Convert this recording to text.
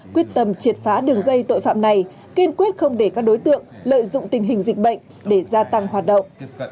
quyết tâm triệt phá đường dây tội phạm này kiên quyết không để các đối tượng lợi dụng tình hình dịch bệnh để gia tăng hoạt động